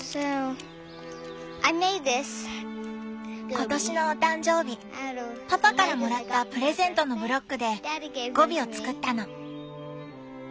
今年のお誕生日パパからもらったプレゼントのブロックでゴビを作ったの。